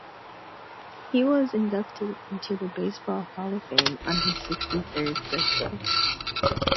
He was inducted into the Baseball Hall of Fame on his sixty-third birthday.